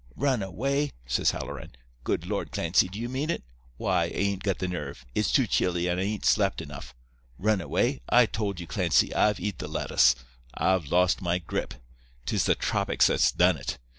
"'Run away?' says Halloran. 'Good Lord, Clancy, do ye mean it? Why, I ain't got the nerve. It's too chilly, and I ain't slept enough. Run away? I told you, Clancy, I've eat the lettuce. I've lost my grip. 'Tis the tropics that's done it.